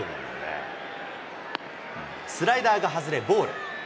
スライダーが外れ、ボール。